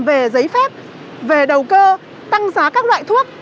về giấy phép về đầu cơ tăng giá các loại thuốc